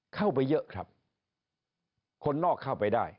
เข้าไปเยอะครับคนนอกเข้าไปได้